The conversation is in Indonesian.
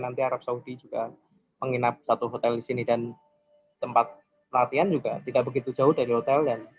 nanti arab saudi juga menginap satu hotel di sini dan tempat latihan juga tidak begitu jauh dari hotel